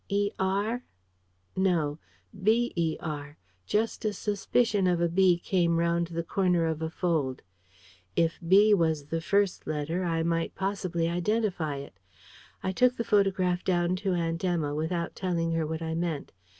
"Er"? No, "Ber": just a suspicion of a B came round the corner of a fold. If B was the first letter, I might possibly identify it. I took the photograph down to Aunt Emma, without telling her what I meant.